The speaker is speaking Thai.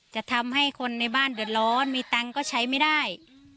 จะทำให้คนในบ้านเดือดร้อนมีตังค์ก็ใช้ไม่ได้